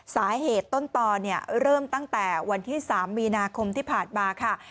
สาเหตุต้นตอนเริ่มตั้งแต่วันที่๓มีนาคมที่ผ่านมาค่ะ